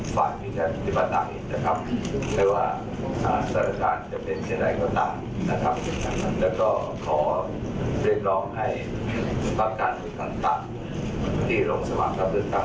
ต่างตังค์ภาคการเมืองและกระทรงบูรณ์แทนเดียวสมัครการเงินตังค์